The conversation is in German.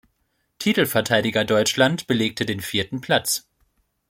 Titelverteidiger Deutschland belegte den vierten Platz.